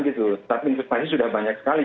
gitu tapi investasi sudah banyak sekali